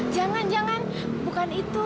jangan jangan bukan itu